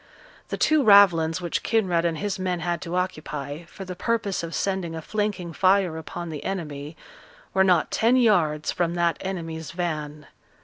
The two ravelins which Kinraid and his men had to occupy, for the purpose of sending a flanking fire upon the enemy, were not ten yards from that enemy's van.